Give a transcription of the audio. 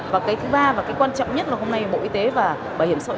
và thứ ba và quan trọng nhất là hôm nay bộ y tế và bảo hiểm sội